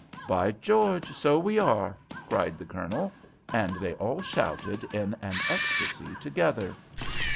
"By George, so we are!" cried the Colonel, and they all shouted in an ecstasy together.